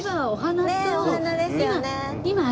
お昼時ですよね。